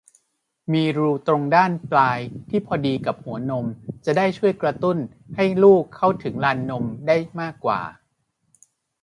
มีรูตรงด้านปลายที่พอดีกับหัวนม จะช่วยกระตุ้นให้ลูกเข้าถึงลานหัวนมได้มากกว่า